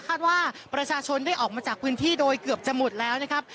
คาดว่าประชาชนได้ออกมาจากพื้นที่โดยเกือบจะหมดแล้วนะครับ